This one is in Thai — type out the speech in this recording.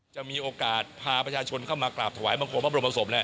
จะมีโอกาสพาประชาชนเข้ามากราบถวายบังคมพระบรมศพแล้ว